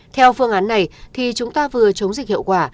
theo phương án này thì chúng ta vừa chống dịch hiệu quả